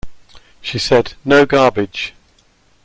She said, No garbage.